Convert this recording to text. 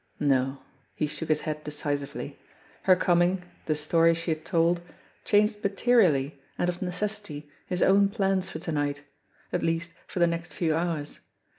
No ! He shook his head decisively. Her coming, the story she had told, changed materially, and of necessity, his own plans for to night at least for the next few hours.